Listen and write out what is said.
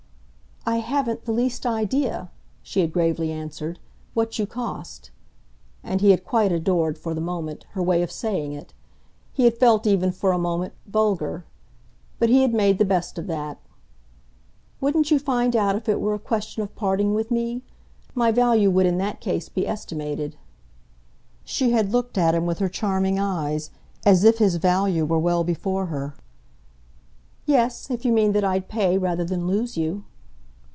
"I haven't the least idea," she had gravely answered, "what you cost" and he had quite adored, for the moment, her way of saying it. He had felt even, for the moment, vulgar. But he had made the best of that. "Wouldn't you find out if it were a question of parting with me? My value would in that case be estimated." She had looked at him with her charming eyes, as if his value were well before her. "Yes, if you mean that I'd pay rather than lose you."